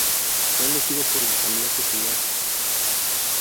Fue elegido por la asamblea popular.